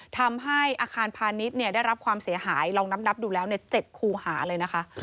ทำให้อาคารพาณิชย์ได้รับความเสียหายลองนับดูแล้ว๗คูหาเลยนะคะ